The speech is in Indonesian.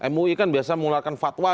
mui kan biasa mengeluarkan fatwa